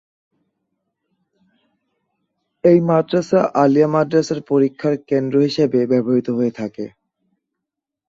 এই মাদ্রাসা আলিয়া মাদ্রাসার পরীক্ষার কেন্দ্র হিসাবে ব্যবহৃত হয়ে থাকে।